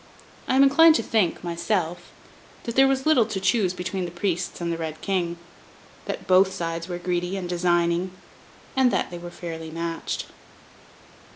I am inclined to think, myself, that there was little to choose between the Priests and the Red King; that both sides were greedy and designing; and that they were fairly matched.